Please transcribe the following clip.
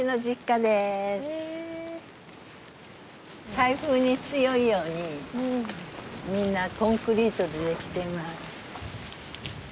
台風に強いようにみんなコンクリートでできています。